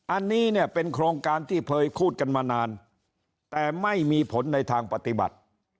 อันนี้เนี่ยเป็นโครงการที่เคยพูดกันมานานแต่ไม่มีผลในทางปฏิบัติ